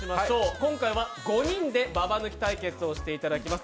今回は５人でババ抜き対決をしていただきます。